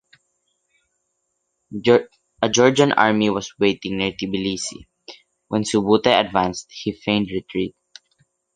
A Georgian army was waiting near Tbilisi, and when Subutai advanced, he feigned retreat.